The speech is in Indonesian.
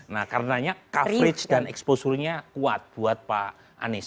nah karenanya coverage dan exposure nya kuat buat pak anies